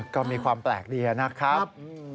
ก็มีความแปลกดีนะครับ